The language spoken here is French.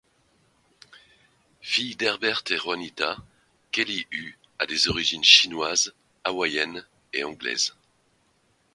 Fille d'Herbert et Juanita, Kelly Hu a des origines chinoises, hawaïennes et anglaises.